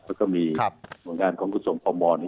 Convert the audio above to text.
แล้วก็มีงานของคุณส่งพมนี่